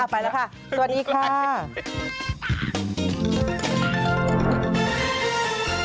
ไปแล้วค่ะสวัสดีค่ะไปแล้วค่ะ